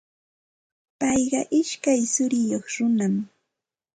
Payqa ishkay churiyuq runam.